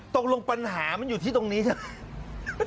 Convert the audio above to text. ตกลงปัญหามันอยู่ที่ตรงนี้ใช่ไหม